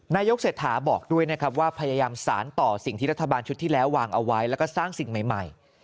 นายกเศรษฐาบอกด้วยนะครับว่าพยายามสารต่อสิ่งที่รัฐบาลชุดที่แล้ววางเอาไว้แล้วก็สร้างสิ่งใหม่